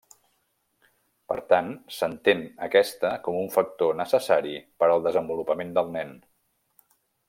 Per tant, s'entén aquesta com un factor necessari per al desenvolupament del nen.